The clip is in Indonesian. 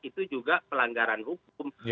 itu juga pelanggaran hukum